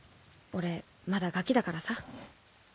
俺まだガキだからさ。